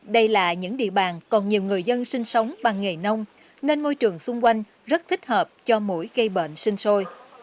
đây là những địa bàn còn nhiều người dân sinh sống bằng nghề nông nên ngôi trường xung quanh rất thích hợp cho mỗi cây bệnh sinh sôi